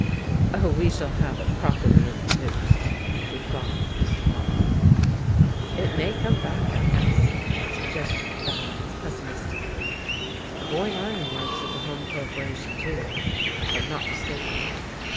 "Oh, we shall have it properly introduced," replied Mr. Wading. "It may come back at us," suggested Fowndes pessimistically. "The Boyne Iron Works is a home corporation too, if I am not mistaken."